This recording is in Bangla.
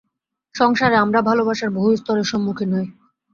সংসারে আমরা ভালবাসার বহু স্তরের সম্মুখীন হই।